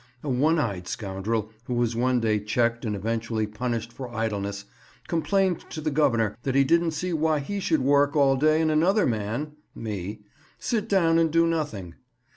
A one eyed scoundrel, who was one day checked and eventually punished for idleness, complained to the Governor that he didn't see why he should work all day and another man (me) sit down and do nothing.